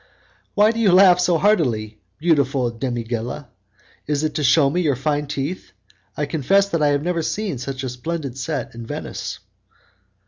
"Why do you laugh so heartily, beautiful 'demigella'? Is it to shew me your fine teeth? I confess that I have never seen such a splendid set in Venice."